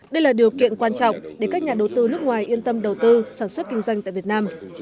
đây là điều kiện quan trọng để các nhà đầu tư nước ngoài yên tâm đầu tư sản xuất kinh doanh tại việt nam